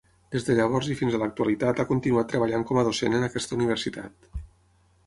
Des de llavors fins a l'actualitat ha continuat treballant com a docent en aquesta universitat.